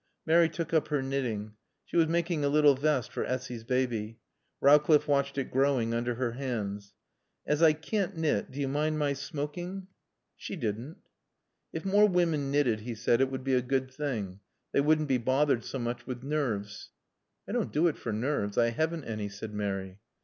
Mary took up her knitting. She was making a little vest for Essy's baby. Rowcliffe watched it growing under her hands. "As I can't knit, do you mind my smoking?" She didn't. "If more women knitted," he said, "it would be a good thing. They wouldn't be bothered so much with nerves." "I don't do it for nerves. I haven't any," said Mary.